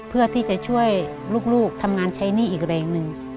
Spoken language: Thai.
เพื่อที่จะช่วยลูกทำงานใช้หนี้อีกแรงหนึ่ง